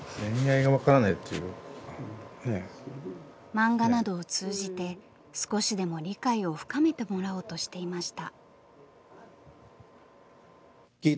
漫画などを通じて少しでも理解を深めてもらおうとしていました。